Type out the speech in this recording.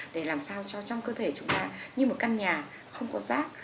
để làm sao cho trong cơ thể chúng ta như một căn nhà không có rác